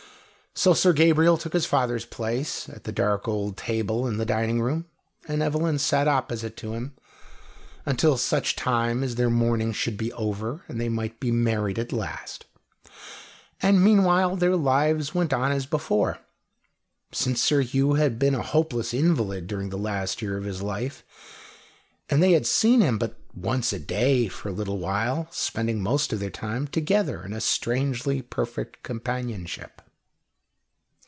So Sir Gabriel took his father's place at the dark old table in the dining room, and Evelyn sat opposite to him, until such time as their mourning should be over, and they might be married at last. And meanwhile their lives went on as before, since Sir Hugh had been a hopeless invalid during the last year of his life, and they had seen him but once a day for a little while, spending most of their time together in a strangely perfect companionship.